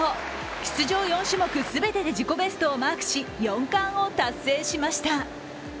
出場４種目全てで自己ベストをマークし、４冠を達成しました。